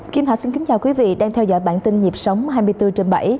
kim thạch xin kính chào quý vị đang theo dõi bản tin nhịp sống hai mươi bốn trên bảy